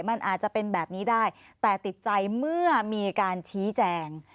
มันอาจจะเป็นแบบนี้ได้แต่ติดใจเมื่อมีการชี้แจง